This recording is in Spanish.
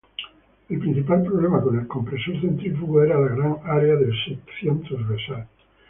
El principal problema con el compresor centrífugo era la gran área de sección trasversal.